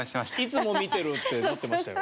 いつも見てるって言ってましたよ。